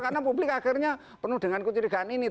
karena publik akhirnya penuh dengan kecurigaan ini